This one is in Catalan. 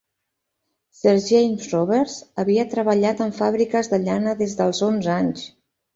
Ser James Roberts havia treballat en fàbriques de llana des dels onze anys.